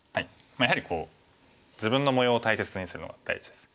やはり自分の模様を大切にするのが大事です。